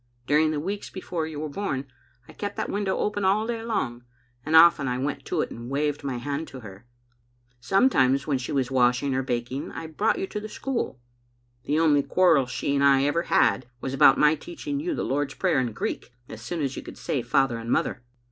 During the weeks before you were bom I kept that window open all day long, and often I went to it and waved my hand to her. "Sometimes, when she was washing or baking, I brought you to the school. The only quarrel she and I ever had was about my teaching you the Lord's Prayer in Greek as soon as you could say father and mother.